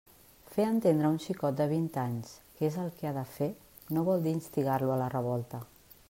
Fer entendre a un xicot de vint anys què és el que ha de fer no vol dir instigar-lo a la revolta!